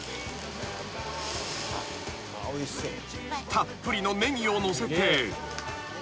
［たっぷりのネギをのせて］